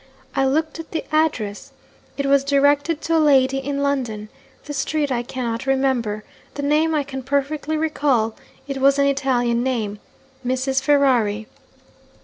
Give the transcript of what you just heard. I looked at the address. It was directed to a lady in London. The street I cannot remember. The name I can perfectly recall: it was an Italian name 'Mrs. Ferrari.'